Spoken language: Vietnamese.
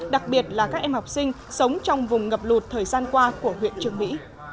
đặc biệt là các em học sinh sống trong vùng ngập lụt thời gian qua của huyện trường mỹ